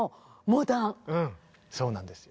うんそうなんですよ。